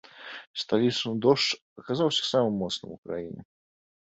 Сталічны дождж аказаўся самым моцным у краіне.